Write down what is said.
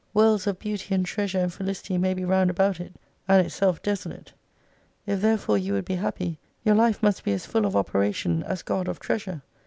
Worlds of beauty and treasure and felicity may be round about it, and itself desolate. If therefore you would be happy, your life must be as full of operation as God of treasure.